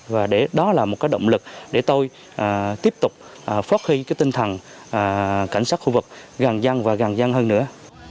và đó là một cái động lực để tôi tiếp tục phát huy cái tinh thần cảnh sát khu vực gần gần và gần gần hơn nữa